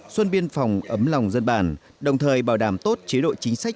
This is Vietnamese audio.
xuân biên phòng ấm lòng dân bản đồng thời bảo đảm tốt chế độ chính sách